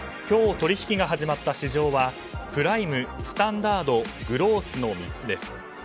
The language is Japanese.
今日、取引が始まった市場はプライム、スタンダードグロースの３つです。